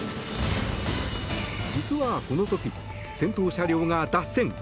実はこの時、先頭車両が脱線。